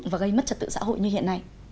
và gây mất trật tự xã hội như hiện nay